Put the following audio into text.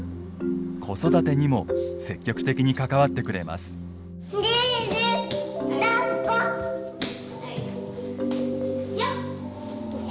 子育てにも積極的に関わってくれますねえねだっこ。